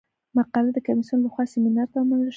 مقاله د کمیسیون له خوا سیمینار ته ومنل شوه.